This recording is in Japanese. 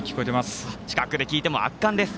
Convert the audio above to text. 近くで聞いても圧巻です。